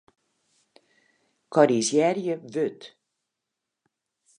Korrizjearje wurd.